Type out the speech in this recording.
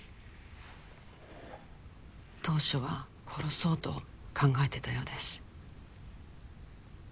当初は殺そうと考えていたようです